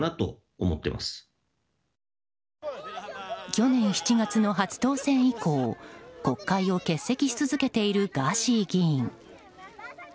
去年７月の初当選以降国会を欠席し続けているガーシー議員。